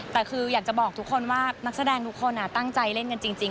แต่คืออยากจะบอกทุกคนว่านักแสดงทุกคนตั้งใจเล่นกันจริง